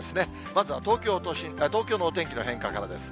まずは東京のお天気の変化からです。